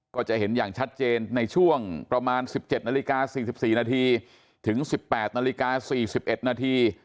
ก็จะเห็นอย่างชัดเจนในช่วงประมาณ๑๗นาฬิกา๔๔นาทีถึง๑๘นาฬิกา๔๑นาที